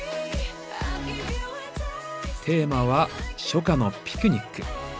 テーマは「初夏のピクニック」。